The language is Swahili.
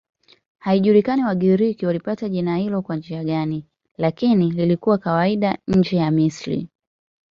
Haijulikani Wagiriki walipata jina hilo kwa njia gani, lakini lilikuwa kawaida nje ya Misri.